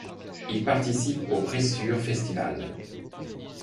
Il participe au Pressure Festival.